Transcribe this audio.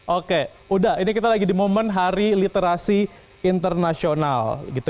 oke udah ini kita lagi di momen hari literasi internasional gitu